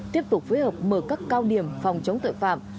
tiếp tục phối hợp mở các cao điểm phòng chống tội phạm